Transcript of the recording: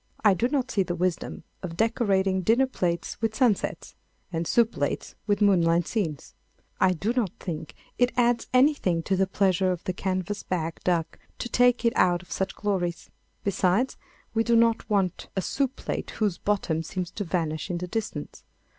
I do not see the wisdom of decorating dinner plates with sunsets and soup plates with moonlight scenes. I do not think it adds anything to the pleasure of the canvas back duck to take it out of such glories. Besides, we do not want a soup plate whose bottom seems to vanish in the distance.